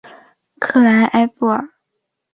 克莱埃布尔。